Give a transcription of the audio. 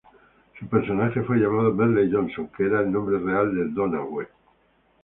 Su personaje fue llamado Merle Johnson, que era el nombre real de Donahue.